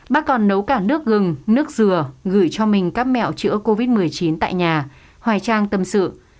bác còn nấu cảng nước gừng nước dừa gửi cho mình các mẹo chữa covid một mươi chín tại nhà hoài trang tâm sự